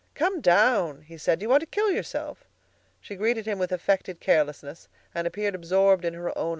"Come down!" he said. "Do you want to kill yourself?" She greeted him with affected carelessness, and appeared absorbed in her occupation.